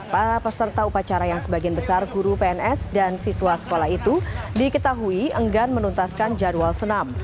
para peserta upacara yang sebagian besar guru pns dan siswa sekolah itu diketahui enggan menuntaskan jadwal senam